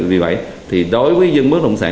vì vậy thì đối với dân bất động sản